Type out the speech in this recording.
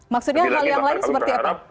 maksudnya hal yang lain seperti apa